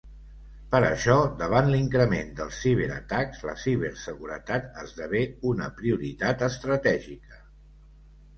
Per això, davant l’increment dels ciberatacs, la ciberseguretat esdevé una prioritat estratègica.